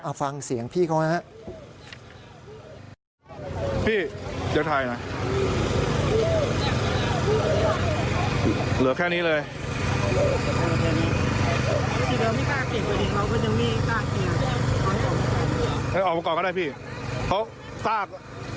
เอาฟังเสียงพี่เขานะครับ